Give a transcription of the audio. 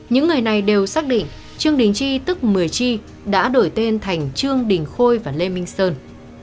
những người này đều xác định trương đình chi tức một mươi chi đã đổi tên thành trương đình khôi và lê minh sơn